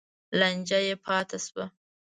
لانجه یې پاتې شوه.